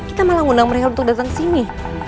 kita malah ngundang mereka untuk datang ke sini